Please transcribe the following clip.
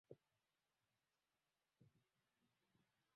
ili wawe na umoja kama sisi tulivyo